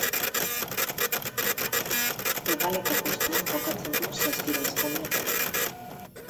Hegaleko postuan jokatzen du Saski Baskonia taldean.